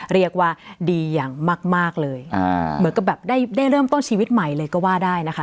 เรียกว่าดีอย่างมากเลยเหมือนกับแบบได้ได้เริ่มต้นชีวิตใหม่เลยก็ว่าได้นะคะ